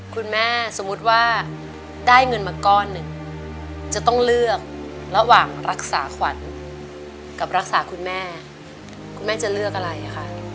คุณแม่สมมุติว่าได้เงินมาก้อนหนึ่งจะต้องเลือกระหว่างรักษาขวัญกับรักษาคุณแม่คุณแม่จะเลือกอะไรค่ะ